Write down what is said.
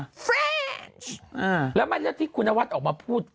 ฟรานซ์แล้วมันเรื่องที่คุณนวัดออกมาพูด